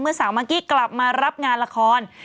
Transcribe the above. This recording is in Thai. สาวมากกี้กลับมารับงานละคร